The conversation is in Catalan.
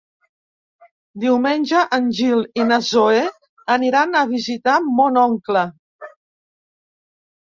Diumenge en Gil i na Zoè aniran a visitar mon oncle.